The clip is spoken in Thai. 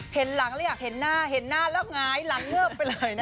เห็นหลังแล้วอยากเห็นหน้าเห็นหน้าแล้วหงายหลังเงิบไปเลยนะคะ